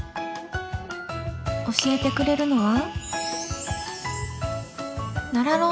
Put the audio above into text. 教えてくれるのは奈良